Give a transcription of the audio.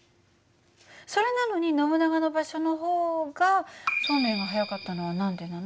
それなのにノブナガの場所の方がそうめんが速かったのは何でなの？